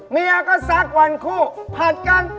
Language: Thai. เมียก็ซักวันคู่ผัดกัน